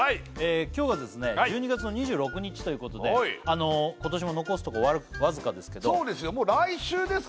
今日はですね１２月の２６日ということで今年も残すとこわずかですけどそうですよ